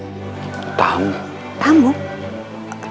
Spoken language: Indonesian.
ada tamu yang sedang menunggu di pendopo raden